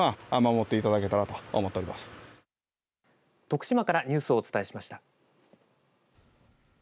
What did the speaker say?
徳島からニュースをお伝えしました。